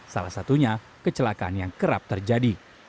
salah satunya kecelakaan yang kerap terjadi